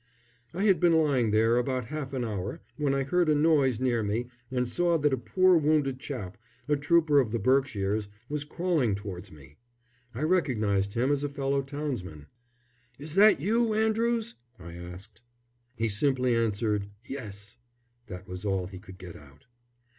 I had been lying there about half an hour when I heard a noise near me and saw that a poor wounded chap, a trooper of the Berkshires, was crawling towards me. I recognised him as a fellow townsman. "Is that you, Andrews?" I asked. He simply answered "Yes." That was all he could get out.